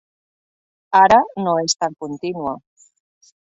Ara no és tan contínua.